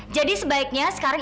jadi sebaiknya sekarang